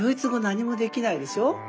何もできないでしょ。